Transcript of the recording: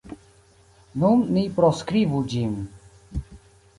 Nun ni proskribu ĝin.